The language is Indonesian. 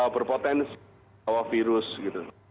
berpotensi bahwa virus gitu